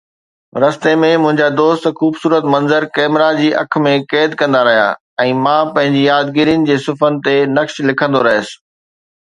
رستي ۾، منهنجا دوست خوبصورت منظر ڪئميرا جي اک ۾ قيد ڪندا رهيا ۽ مان پنهنجي يادگيرين جي صفحن تي نقش لکندو رهيس.